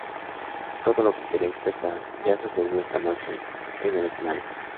Todo lo que quería expresar ya ha sucedido esta noche en el escenario.